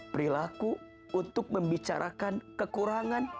perilaku untuk membicarakan kekurangan